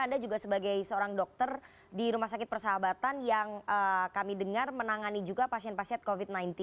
anda juga sebagai seorang dokter di rumah sakit persahabatan yang kami dengar menangani juga pasien pasien covid sembilan belas